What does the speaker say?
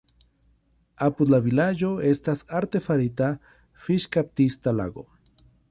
Apud la vilaĝo estas artefarita fiŝkaptista lago.